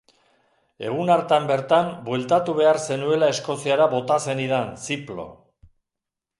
Egun hartan bertan bueltatu behar zenuela Eskoziara bota zenidan ziplo.